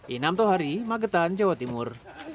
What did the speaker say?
inam tohari magetan jawa timur